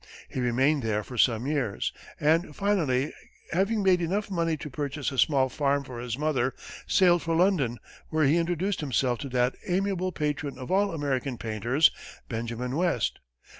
He remained there for some years, and finally, having made enough money to purchase a small farm for his mother, sailed for London, where he introduced himself to that amiable patron of all American painters, Benjamin West.